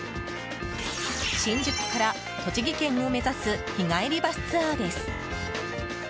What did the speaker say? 新宿から栃木県を目指す日帰りバスツアーです。